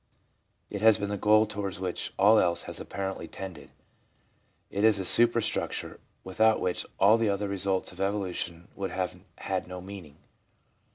It has been the goal towards which all else has apparently tended. It is the superstructure, without which all the other results of evolution would have had no meaning.